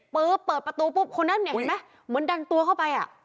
เปิดประตูปุ๊บคนนั้นเนี่ยเห็นไหมเหมือนดันตัวเข้าไปอ่ะ